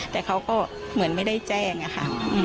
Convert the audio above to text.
แต่เขาก็เหมือนไม่ได้แจ้งอะค่ะ